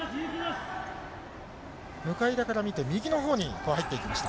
向田から見て、右のほうに入っていきました。